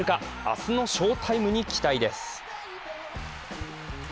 明日の翔タイムに期待です。